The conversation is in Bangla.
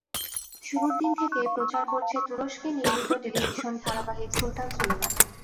শুরুর দিন থেকেই প্রচার করছে তুরস্কে নির্মিত টেলিভিশন ধারাবাহিক সুলতান সুলেমান।